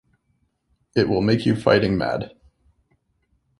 It Will Make You Fighting Mad.